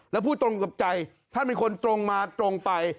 แล้วพูดตรงกับใจท่านเป็นคนตรงมาตรงไป